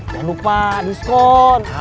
jangan lupa diskon